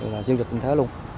là dư luật trên thế luôn